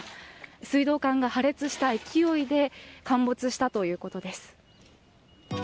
水道管が破裂した勢いで陥没したということです。